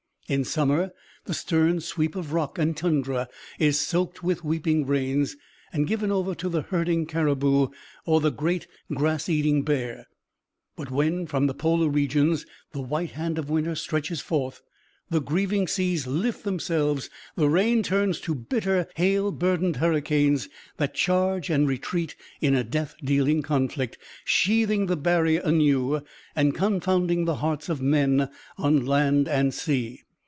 In summer the stern sweep of rock and tundra is soaked with weeping rains, and given over to the herding caribou or the great grass eating bear; but when from the polar regions the white hand of winter stretches forth, the grieving seas lift themselves, the rain turns to bitter, hail burdened hurricanes that charge and retreat in a death dealing conflict, sheathing the barrier anew, and confounding the hearts of men on land and sea.